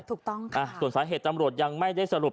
ถูกต้องค่ะส่วนสาเหตุตำรวจยังไม่ได้สรุป